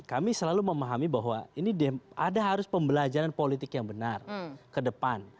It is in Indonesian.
kami selalu memahami bahwa ini ada harus pembelajaran politik yang benar ke depan